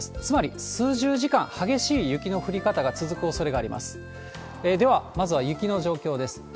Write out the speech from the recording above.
つまり、数十時間激しい雪の降り方が続くおそれがあります。